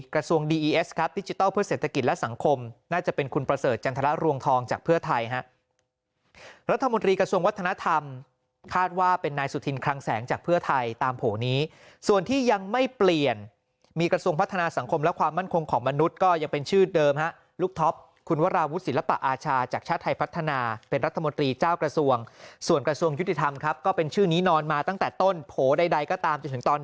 การกระทรวงวัฒนธรรมคาดว่าเป็นนายสุธินครังแสงจากเพื่อไทยตามโผนี้ส่วนที่ยังไม่เปลี่ยนมีกระทรวงพัฒนาสังคมและความมั่นคงของมนุษย์ก็ยังเป็นชื่อเดิมฮะลูกท็อปคุณวราวุศิลปะอาชาจากชาติไทยพัฒนาเป็นรัฐมนตรีเจ้ากระทรวงส่วนกระทรวงยุติธรรมครับก็เป็นชื่อนี้นอนมา